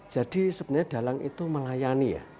jadi sebenarnya dalang itu melayani ya